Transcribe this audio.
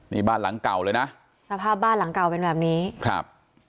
นี่บ้านหลังเก่าเลยนะสภาพบ้านหลังเก่าเป็นแบบนี้ครับ